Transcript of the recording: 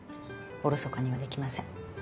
おろそかにはできません。